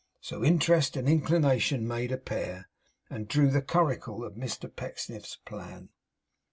So Interest and Inclination made a pair, and drew the curricle of Mr Pecksniff's plan.